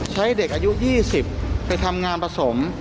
ใช้เด็กอายุ๒๐ไปทำงานผสม